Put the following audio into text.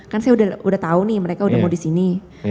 kan saya udah tau nih mereka udah mau disini